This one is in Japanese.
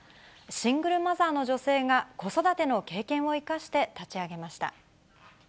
シングルマザーの女性が子育ての経験を生かして立ち上げました。